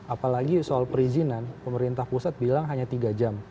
apalagi soal perizinan pemerintah pusat bilang hanya tiga jam